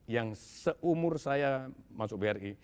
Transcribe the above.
yang seumur saya masuk bri